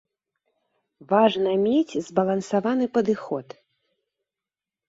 Важна мець збалансаваны падыход.